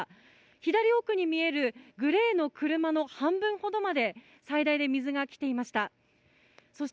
左奥に見えるグレーの車の半分ほどまで最大で水が来ていました。